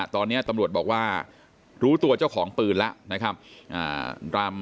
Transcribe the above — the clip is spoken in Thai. ตอนนี้ตำรวจบอกว่ารู้ตัวเจ้าของปืนแล้วนะครับ